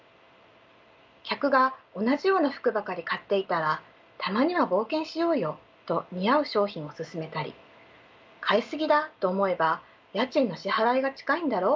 客が同じような服ばかり買っていたら「たまには冒険しようよ」と似合う商品を薦めたり買い過ぎだと思えば「家賃の支払いが近いんだろう。